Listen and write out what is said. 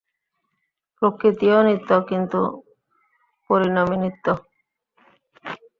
প্রকৃতিও নিত্য, কিন্তু পরিণামী নিত্য।